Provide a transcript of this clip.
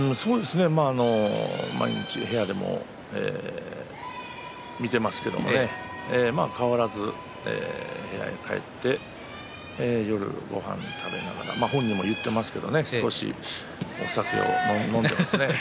毎日部屋でも見ていますけれども変わらず部屋に帰って夜ごはんを食べながら本人も言っていますが少しお酒を飲んでいますね。